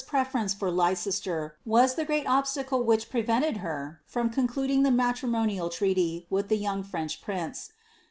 391 preference for LRicester was the great obstacle whicn prevented her from concluding the matrimonial treaty with the young French prince.